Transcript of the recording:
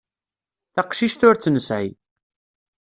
Taqcict ur tt-nesεi.